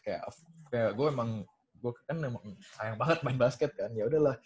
kayak gua emang gua kan emang sayang banget main basket kan yaudahlah